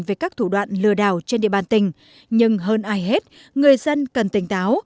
về các thủ đoạn lừa đảo trên địa bàn tỉnh nhưng hơn ai hết người dân cần tỉnh táo